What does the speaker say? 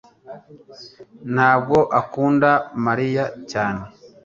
ntabwo akunda Mariya cyane.